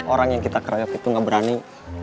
orang yang kita kerayuk itu gak berani